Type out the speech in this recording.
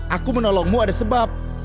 aku menolongmu ada sebab